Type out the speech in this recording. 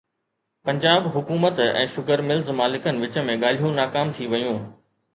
پنجاب حڪومت ۽ sugar mills مالڪن وچ ۾ ڳالهيون ناڪام ٿي ويون